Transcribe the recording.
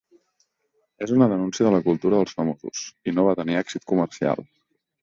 És una denuncia de la cultura dels famosos, i no va tenir èxit comercial.